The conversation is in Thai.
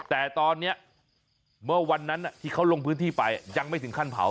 แต่ตอนนี้เมื่อวันนั้นที่เขาลงพื้นที่ไปยังไม่ถึงขั้นเผา